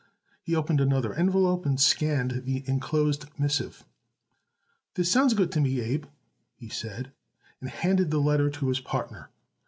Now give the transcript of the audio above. He opened another envelope and scanned the enclosed missive. "This sounds good to me, Abe," he said, and handed the letter to his partner.